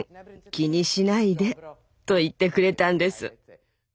気にしないで」と言ってくれたんです。